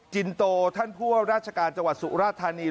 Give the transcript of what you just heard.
จินโตราชกาลจังหวรรษสุราธารณี